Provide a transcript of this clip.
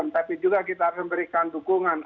tapi juga kita harus memberikan dukungan